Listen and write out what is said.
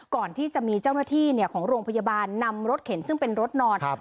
ก่อนที่จะมีเจ้าหน้าที่ของโรงพยาบาลนำรถเข็นซึ่งเป็นรถนอน